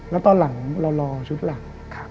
แล้วตอนหลังเรารอชุดหลัง